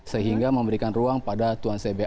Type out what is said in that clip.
sehingga memberikan ruang pada tuan ze